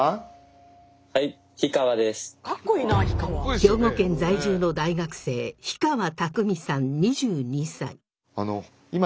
兵庫県在住の大学生火川拓海さん２２歳。